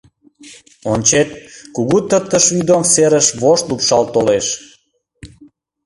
Ончет, кугу тыртыш вӱдоҥ серыш вошт лупшалт толеш.